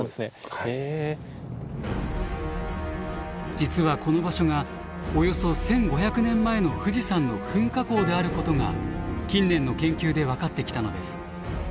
実はこの場所がおよそ１，５００年前の富士山の噴火口であることが近年の研究で分かってきたのです。